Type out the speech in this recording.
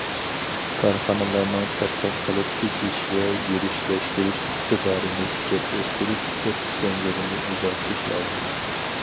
كارخانىلارنىڭ تەتقىق قىلىپ ئېچىش ۋە يۈرۈشلەشتۈرۈش ئىقتىدارىنى كۈچەپ ئۆستۈرۈپ، كەسىپ زەنجىرىنى ئۇزارتىش لازىم.